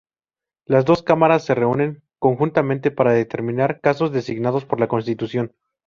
Las dos cámaras se reúnen conjuntamente para determinados casos designados por la Constitución.